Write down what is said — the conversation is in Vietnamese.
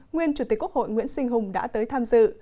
nguyên chủ tịch quốc hội nguyễn sinh hùng đã tới tham dự